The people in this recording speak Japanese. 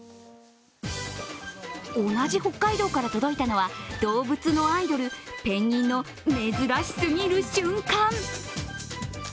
同じ北海道から届いたのは動物のアイドルペンギンの珍しすぎる瞬間。